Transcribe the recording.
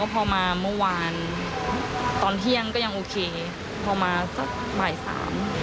พอมาเมื่อวานตอนเที่ยงก็ยังโอเคพอมาสักบ่ายสาม